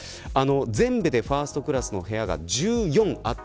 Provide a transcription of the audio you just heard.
全部でファーストクラスのお部屋が１４あって